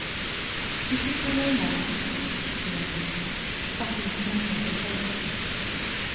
"You think they will now?" the young man asked, cracking his knuckles impatiently.